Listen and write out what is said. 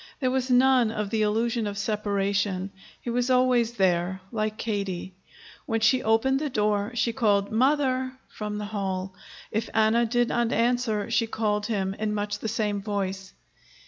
There was none of the illusion of separation; he was always there, like Katie. When she opened the door, she called "Mother" from the hall. If Anna did not answer, she called him, in much the same voice.